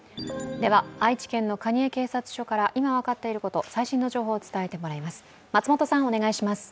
では、愛知県の蟹江警察署から今分かっていること、最新の情報を伝えてもらいます。